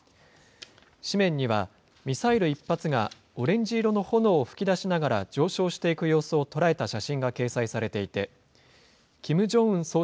紙面には、ミサイル１発がオレンジ色の炎を噴き出しながら上昇していく様子を捉えた写真が掲載されていて、